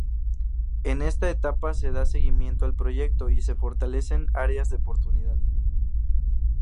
En esta etapa se da seguimiento al proyecto y se fortalecen áreas de oportunidad.